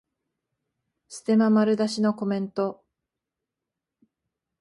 ステマ丸出しのコメント